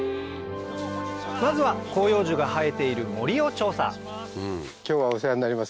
まずは広葉樹が生えている森を調査今日はお世話になります